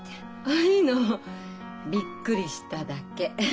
あっいいの。びっくりしただけ。